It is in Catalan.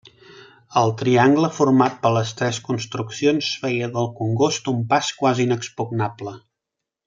El triangle format per les tres construccions feia del congost un pas quasi inexpugnable.